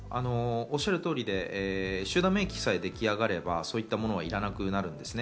おっしゃる通りで、集団免疫さえできればそういったものは、いらなくなるんですね。